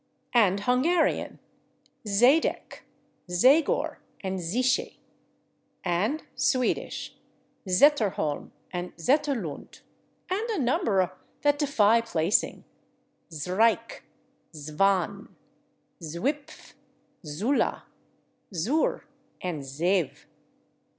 And Hungarian: /Zadek/, /Zagor/ and /Zichy/. And Swedish: /Zetterholm/ and /Zetterlund/. And a number that defy placing: /Zrike/, /Zvan/, /Zwipf/, /Zula/, /Zur/ and /Zeve